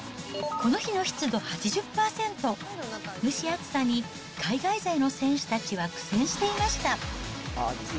この日の湿度８０％、蒸し暑さに海外勢の選手たちは苦戦していました。